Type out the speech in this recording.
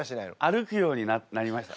歩くようになりました。